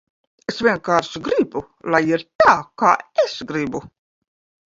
Es vienkārši gribu, lai ir tā, kā es gribu.